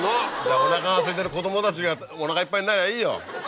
おなかがすいてる子供たちがおなかいっぱいになりゃいいよ。